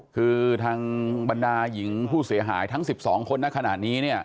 คือทางบรรดาหญิงผู้เสียหายทั้ง๑๒คนในขณะนี้เนี่ย